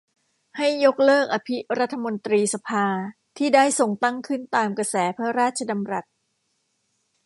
ให้ยกเลิกอภิรัฐมนตรีสภาที่ได้ทรงตั้งขึ้นตามกระแสพระราชดำรัส